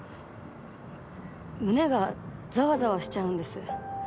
胸がざわざわしちゃうんです。